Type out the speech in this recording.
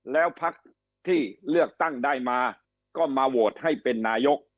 แล้วพักที่เลือกตั้งได้มาก็มาโหวตให้เป็นนายก